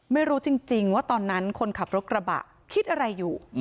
ไม่รู้จริงว่าตอนนั้นคนขับรถกระบะคิดอะไรอยู่